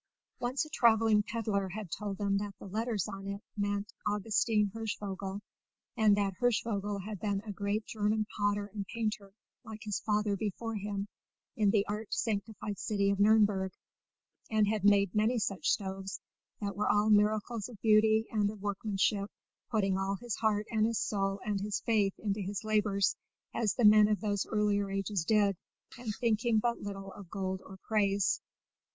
Once a travelling peddler had told them that the letters on it meant Augustin Hirschvogel, and that Hirschvogel had been a great German potter and painter, like his father before him, in the art sanctified city of Nürnberg, and had made many such stoves, that were all miracles of beauty and of workmanship, putting all his heart and his soul and his faith into his labours, as the men of those earlier ages did, and thinking but little of gold or praise.